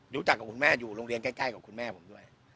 รู้จักกับคุณแม่อยู่โรงเรียนใกล้กับคุณแม่ผมด้วย